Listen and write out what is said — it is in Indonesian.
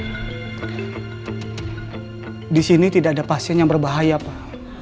pada saat ini pasien yang berbahaya pak